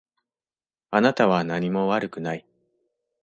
あなたは何も悪くない。